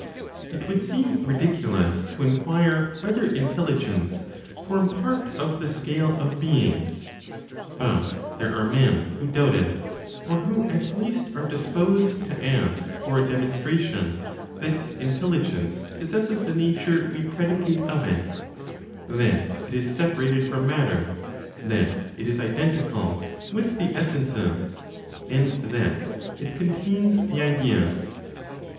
It would seem ridiculous to inquire whether Intelligence form part of the scale of beings; but there are men who doubt it, or who at least are disposed to ask for a demonstration that Intelligence possesses the nature we predicate of it, that it is separated (from matter), that it is identical with the essences, and that it contains the ideas.